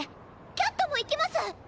キャットも行きますっ！